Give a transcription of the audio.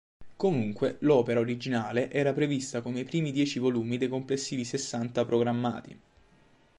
Comunque, l'opera originale era prevista come i primi dieci volumi dei complessivi sessanta programmati.